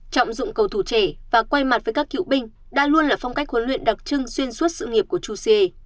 trọng dụng cầu thủ trẻ và quay mặt với các cựu binh đã luôn là phong cách huấn luyện đặc trưng xuyên suốt sự nghiệp của chuse